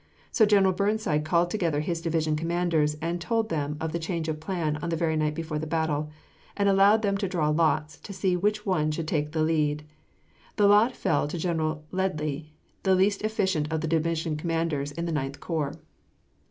So General Burnside called together his division commanders, and told them of the change of plan on the very night before the battle, and allowed them to draw lots to see which one should take the lead. The lot fell to General Ledlie, the least efficient of the division commanders in the Ninth Corps.